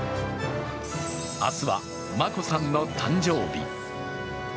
明日は眞子さんの誕生日。